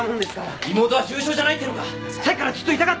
妹は重症じゃないってのか！